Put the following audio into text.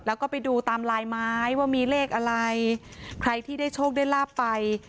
แล้วก็ไปดูตามลายไม้ว่ามีเลขอะไรใครที่ได้โชคได้ลาบไป